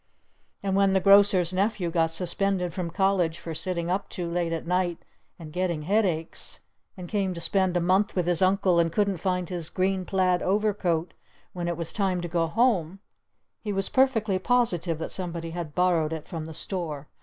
And when the Grocer's Nephew got suspended from college for sitting up too late at night and getting headaches, and came to spend a month with his Uncle and couldn't find his green plaid overcoat when it was time to go home he was perfectly positive that somebody had borrowed it from the store!